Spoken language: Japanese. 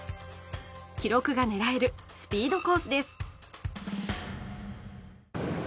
記録が狙えるスピードコースです。